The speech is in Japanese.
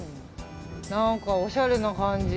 何か、おしゃれな感じ。